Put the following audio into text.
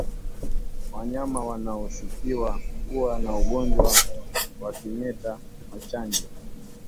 Wanyama wanaoshukiwa kuwa na ugonjwa wa kimeta wachanjwe